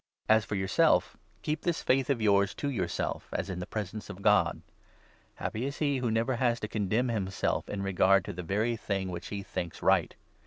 As for yourself — keep this 22 faith of yours to yourself, as in the presence of God. Happy is he who never has to condemn himself in regard to the very thing which he thinks right